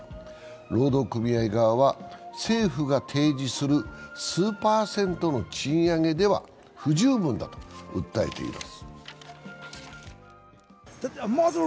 労働組合側は、政府が提示する数パーセントの賃上げでは不十分だと訴えています。